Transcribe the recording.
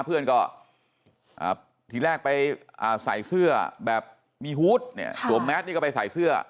เพื่อนก็ทีแรกไปใส่เสื้อแบบมีฮูตเนี่ยสวมแมสนี่ก็ไปใส่เสื้อ